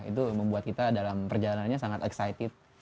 itu membuat kita dalam perjalanannya sangat excited